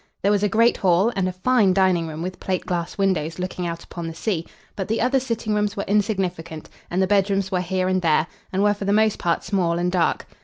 There was a great hall, and a fine dining room with plate glass windows looking out upon the sea; but the other sitting rooms were insignificant, and the bedrooms were here and there, and were for the most part small and dark.